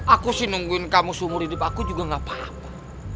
aku sih nungguin kamu seumur hidup aku juga gapapa